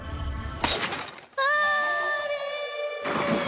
「あれ！」